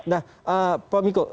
nah pak miko